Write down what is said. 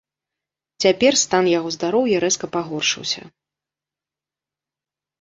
Цяпер стан яго здароўя рэзка пагоршыўся.